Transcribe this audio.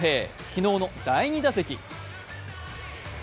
昨日の第２打席。